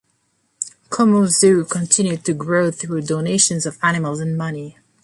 Como Zoo continued to grow through donations of animals and money.